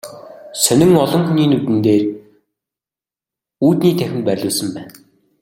Сонин олон хүний нүдэн дээр үүдний танхимд байрлуулсан байна.